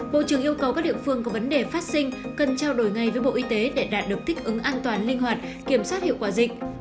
bộ trưởng yêu cầu các địa phương có vấn đề phát sinh cần trao đổi ngay với bộ y tế để đạt được thích ứng an toàn linh hoạt kiểm soát hiệu quả dịch